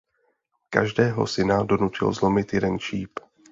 Každého syna donutil zlomit jeden šíp.